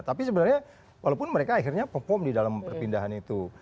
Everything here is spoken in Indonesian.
tapi sebenarnya walaupun mereka akhirnya perform di dalam perpindahan itu